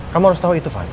kamu harus tau itu van